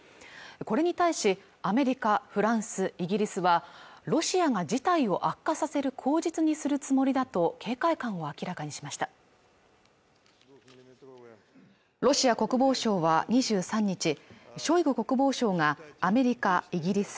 これに対しアメリカフランスイギリスはロシアが事態を悪化させる口実にするつもりだと警戒感を明らかにしましたロシア国防省は２３日ショイグ国防相がアメリカイギリス